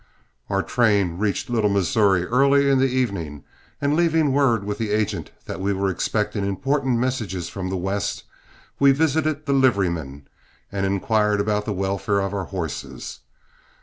Our train reached Little Missouri early in the evening, and leaving word with the agent that we were expecting important messages from the west, we visited the liveryman and inquired about the welfare of our horses.